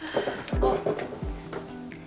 あっ。